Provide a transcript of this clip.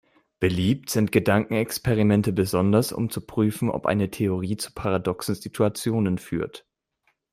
Beliebt sind Gedankenexperimente besonders, um zu prüfen, ob eine Theorie zu paradoxen Situationen führt.